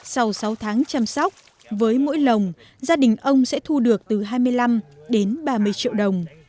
sau sáu tháng chăm sóc với mỗi lồng gia đình ông sẽ thu được từ hai mươi năm đến ba mươi triệu đồng